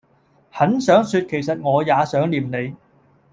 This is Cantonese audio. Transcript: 很想說其實我也想念你